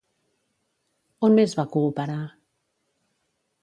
On més va cooperar?